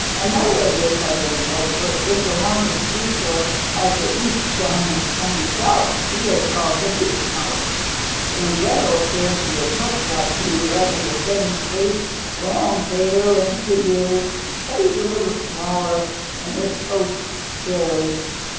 "Another of your cousins, Whitefoot, lives along the seashore of the East down in the Sunny South. He is called the Beach Mouse. In general appearance he is much like you, having the same shape, long tail and big ears, but he is a little smaller and his coat varies.